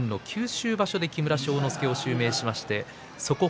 昭和５２年の九州場所で木村庄之助を襲名しました。